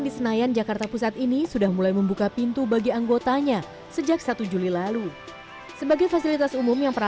kita bisa mencari cara untuk memberikan nilai melalui kelas online kita juga